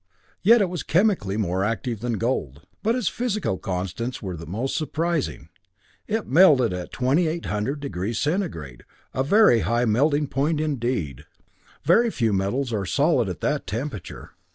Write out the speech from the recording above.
Yet it was chemically more active than gold. But its physical constants were the most surprising. It melted at 2800° centigrade, a very high melting point indeed. Very few metals are solid at that temperature.